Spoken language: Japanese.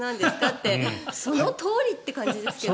ってそのとおりって感じですけど。